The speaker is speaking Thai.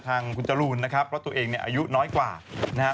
ทางคุณจรูนนะครับเพราะตัวเองเนี่ยอายุน้อยกว่านะฮะ